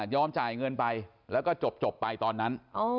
จ่ายเงินไปแล้วก็จบไปตอนนั้น